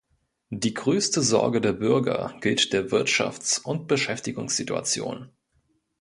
Die größte Sorge der Bürger gilt der Wirtschafts- und Beschäftigungssituation.